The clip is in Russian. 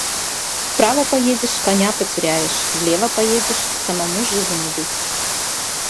Вправо поедешь — коня потеряешь, влево поедешь — самому живу не быть.